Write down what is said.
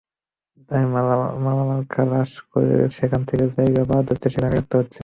তাই মালামাল খালাস করে যেখানে জায়গা পাওয়া যাচ্ছে, সেখানেই রাখতে হচ্ছে।